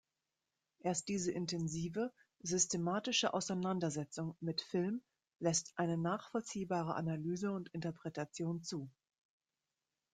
Erst diese intensive, systematische Auseinandersetzung mit Film lässt eine nachvollziehbare Analyse und Interpretation zu.